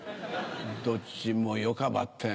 どっちもよかばってん。